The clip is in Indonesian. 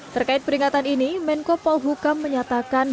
terkait peringatan ini menko polhukam menyatakan